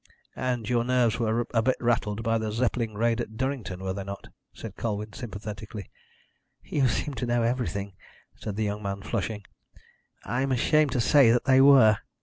"And your nerves were a bit rattled by the Zeppelin raid at Durrington, were they not?" said Colwyn sympathetically. "You seem to know everything," said the young man, flushing. "I am ashamed to say that they were."